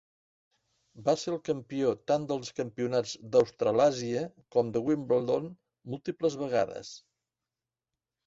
Va ser el campió tant dels campionats d'Australàsia com de Wimbledon múltiples vegades.